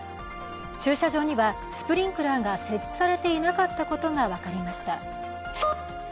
駐車場にはスプリンクラーが設置されていなかったことが分かりました。